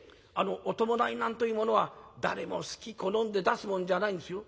お葬式なんというものは誰もすき好んで出すもんじゃないんですよ。